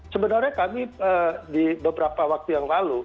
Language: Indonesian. sebenarnya kami di beberapa waktu yang lalu